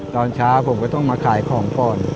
ตอนเช้าผมก็ต้องมาขายของก่อน